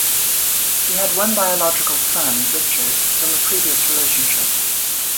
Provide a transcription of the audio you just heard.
He had one biological son, Richard, from a previous relationship.